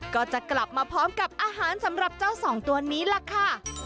ก็จะกลับมาพร้อมกับอาหารสำหรับเจ้าสองตัวนี้ล่ะค่ะ